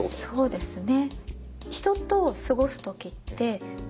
そうですね。